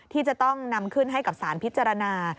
ที่จะต้องนำขึ้นให้กับสารพิจารณา